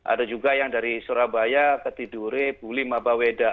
ada juga yang dari surabaya ke tidure buli mabaweda